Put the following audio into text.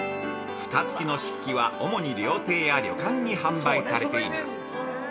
◆ふたつきの漆器は主に料亭や旅館に販売されています。